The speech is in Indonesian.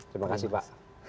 terima kasih pak